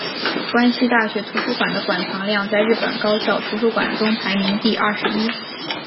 关西大学图书馆的馆藏量在日本高校图书馆中排名第二十一。